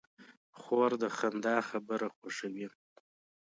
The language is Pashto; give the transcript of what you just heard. خور د خندا خبره خوښوي.